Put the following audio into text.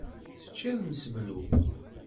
Teččiḍ mseblu.